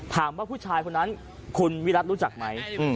ผู้ชายคนนั้นคุณวิรัติรู้จักไหม